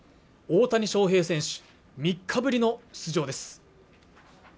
大谷翔平選手３日ぶりの出場です